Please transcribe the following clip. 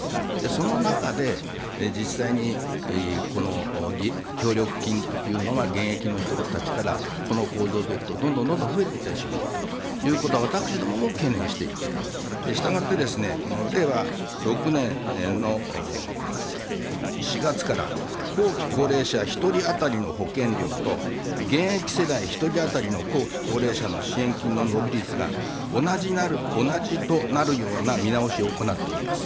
その中で、実際に協力金というのが現役の人たちから、この構造でいくと、どんどん増えていってしまうということは、私どもも懸念していて、したがってですね、令和６年の４月から、後期高齢者１人当たりの保険料と、現役世代１人当たりの後期高齢者の支援金の伸び率が、同じとなるような見直しを行っております。